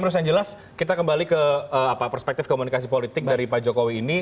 terus yang jelas kita kembali ke perspektif komunikasi politik dari pak jokowi ini